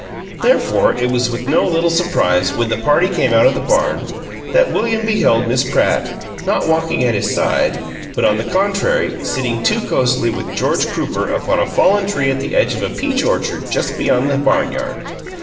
Therefore, it was with no little surprise, when the party came out of the barn, that William beheld Miss Pratt, not walking at his side, but on the contrary, sitting too cozily with George Crooper upon a fallen tree at the edge of a peach orchard just beyond the barn yard.